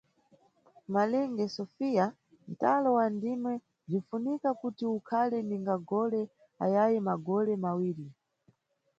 Malinge Sofia, ntalo wa ndime bzwinfunika kuti ukhale ninga gole ayayi magole mawiri.